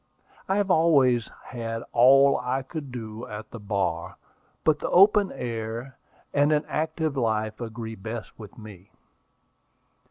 "I have always had all I could do at the bar; but the open air and an active life agree best with me."